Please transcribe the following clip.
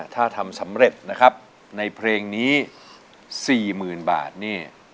ถ้าทำสำเร็จนะครับในเพลงนี้๔๐๐๐บาทนี่